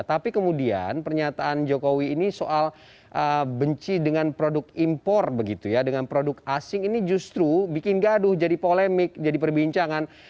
tapi kemudian pernyataan jokowi ini soal benci dengan produk impor begitu ya dengan produk asing ini justru bikin gaduh jadi polemik jadi perbincangan